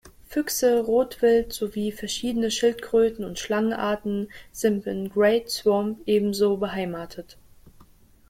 Füchse, Rotwild sowie verschiedene Schildkröten- und Schlangenarten sind im Great Swamp ebenso beheimatet.